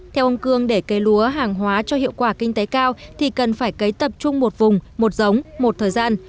theo ông cương để cây lúa hàng hóa cho hiệu quả kinh tế cao thì cần phải cấy tập trung một vùng một giống một thời gian